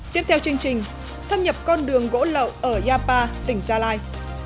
tiếp theo chương trình thâm nhập con đường gỗ lậu ở yapa tỉnh gia lai